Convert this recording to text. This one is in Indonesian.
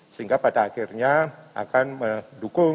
sehingga pada akhirnya akan mendukung